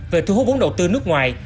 về thu hút vốn đầu tư nước ngoài